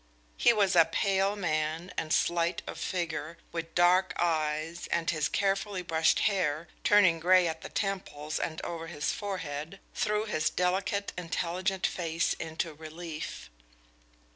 He was a pale man and slight of figure, with dark eyes, and his carefully brushed hair, turning gray at the temples and over his forehead, threw his delicate, intelligent face into relief.